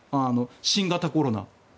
新型コロナ